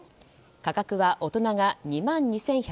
価格は大人が２万２１５０円